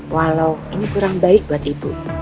walau ini kurang baik buat ibu